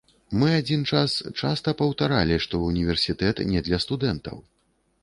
Мы адзін час часта паўтаралі, што ўніверсітэт не для студэнтаў.